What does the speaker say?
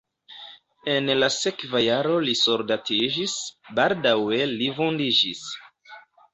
En la sekva jaro li soldatiĝis, baldaŭe li vundiĝis.